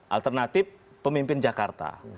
alternatif pemimpin jakarta